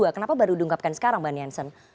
kenapa baru diungkapkan sekarang mbak niansen